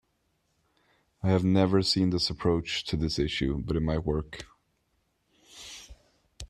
I have never seen this approach to this issue, but it might work.